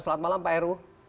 selamat malam pak heru